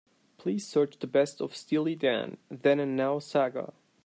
Please search The Best of Steely Dan: Then and Now saga.